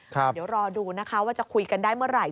เดี๋ยวรอดูนะคะว่าจะคุยกันได้เมื่อไหร่